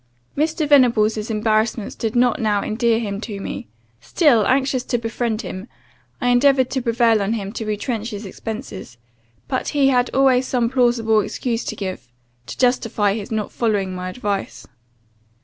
"Mr. Venables' embarrassments did not now endear him to me; still, anxious to befriend him, I endeavoured to prevail on him to retrench his expences; but he had always some plausible excuse to give, to justify his not following my advice.